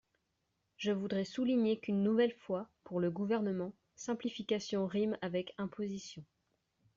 Je voudrais souligner qu’une nouvelle fois, pour le Gouvernement, simplification rime avec imposition.